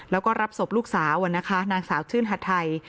แล้วก็รับศพลูกสาวนะคะนางสาวชื่นหัดไทย